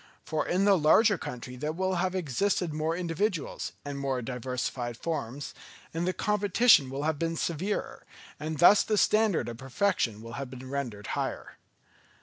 For in the larger country there will have existed more individuals, and more diversified forms, and the competition will have been severer, and thus the standard of perfection will have been rendered higher.